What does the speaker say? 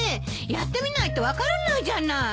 やってみないと分からないじゃない。